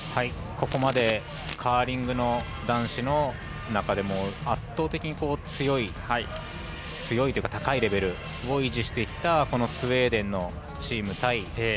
ここまでカーリングの男子の中でも圧倒的に強いというか高いレベルを維持してきたスウェーデンのチーム対